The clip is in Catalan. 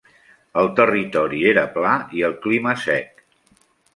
El territori era pla i el clima sec.